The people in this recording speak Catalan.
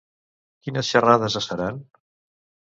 Quines xerrades es faran?